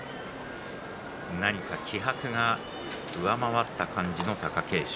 何か気迫が上回った感じの貴景勝。